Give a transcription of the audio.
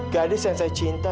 gadis yang saya cinta